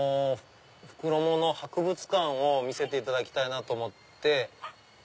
袋物博物館を見せていただきたいと思って。